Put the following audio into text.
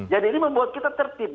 jadi ini membuat kita tertib